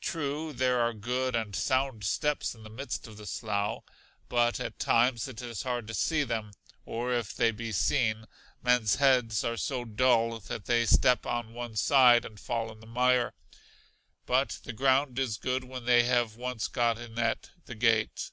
True there are good and sound steps in the midst of the slough, but at times it is hard to see them; or if they be seen, men's heads are so dull that they step on one side, and fall in the mire. But the ground is good when they have once got in at the gate.